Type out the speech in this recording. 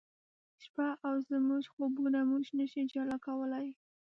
شپه او زموږ خوبونه موږ نه شي جلا کولای